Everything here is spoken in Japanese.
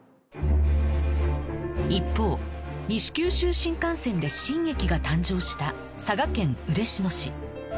一方西九州新幹線で新駅が誕生した佐賀県嬉野市